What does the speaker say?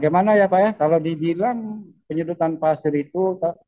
gimana ya pak ya kalau dibilang penyedotan pasir itu